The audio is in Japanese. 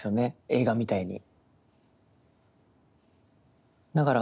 映画みたいに。